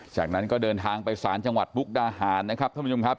จากนั้นก็เดินทางไปสารจังหวัดมุกดาหารนะครับท่านผู้ชมครับ